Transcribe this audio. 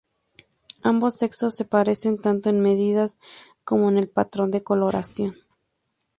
Ambos sexos se parecen tanto en medidas como en el patrón de coloración.